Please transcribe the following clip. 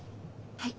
はい。